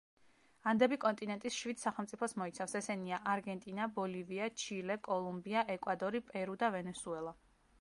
ანდები კონტინენტის შვიდ სახელმწიფოს მოიცავს, ესენია: არგენტინა, ბოლივია, ჩილე, კოლუმბია, ეკვადორი, პერუ და ვენესუელა.